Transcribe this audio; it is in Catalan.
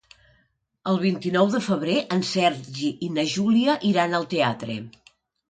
El vint-i-nou de febrer en Sergi i na Júlia iran al teatre.